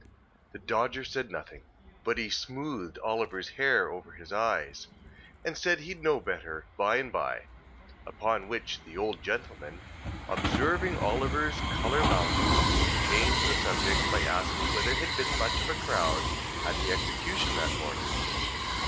The Dodger said nothing, but he smoothed Oliver's hair over his eyes, and said he'd know better, by and by; upon which the old gentleman, observing Oliver's colour mounting, changed the subject by asking whether there had been much of a crowd at the execution that morning?